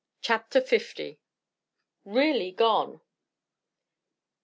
_" CHAPTER L. REALLY GONE!